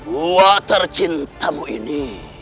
buah tercinta mu ini